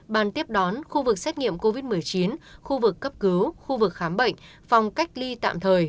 bàn tiếp đón khu vực xét nghiệm covid một mươi chín khu vực cấp cứu khu vực khám bệnh phòng cách ly tạm thời